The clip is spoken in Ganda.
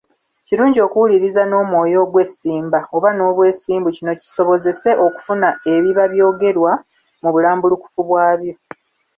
Kirungi okuwuliriza n’omwoyo ogw’essimba oba n’obwesimbu kino kisobozese okufuna ebiba byogerwa mu bulambulukufu bwabyo.